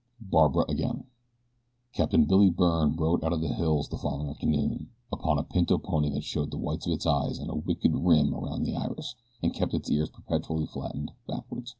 BARBARA AGAIN CAPTAIN BILLY BYRNE rode out of the hills the following afternoon upon a pinto pony that showed the whites of its eyes in a wicked rim about the iris and kept its ears perpetually flattened backward.